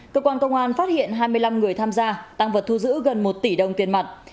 cơ quan công an phát hiện hai mươi năm người tham gia tăng vật thu giữ gần một tỷ đồng tiền mặt